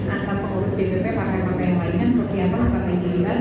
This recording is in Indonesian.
antara pengurus dpw pakai pakai yang lainnya seperti apa seperti yang diilikan